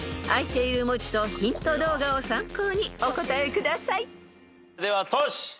［あいている文字とヒント動画を参考にお答えください］ではトシ。